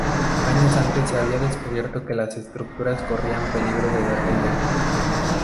Años antes se había descubierto que las estructuras corrían peligro de derrumbe.